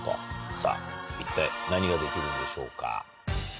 さぁ一体何ができるんでしょうか？